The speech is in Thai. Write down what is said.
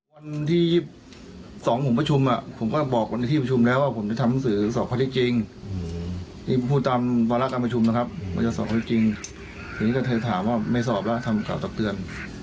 วันที่๒๒นประชุมผมอ่ะก็บอกวันนี้ที่ประชุมแล้วผมจะทำหนังสือสอบควาทิศจริงคือพูดตามวาราการประชุมนะครับตอนนี้ก็ถามว่าไม่สอบและก็ทำก่อนสับเตือน